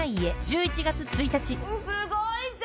すごいじゃん！